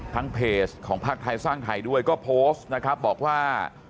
เพจของภาคไทยสร้างไทยด้วยก็โพสต์นะครับบอกว่า